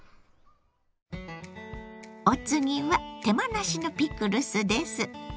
お次は手間なしのピクルスです。